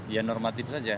iya normatif saja